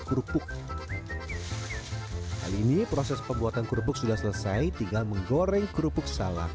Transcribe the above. kerupuk hal ini proses pembuatan kerupuk sudah selesai tinggal menggoreng kerupuk salak